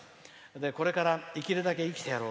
これから生きるだけ生きてやろう。